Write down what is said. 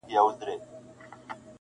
پرون ورور سبا تربور وي بیا دښمن سي-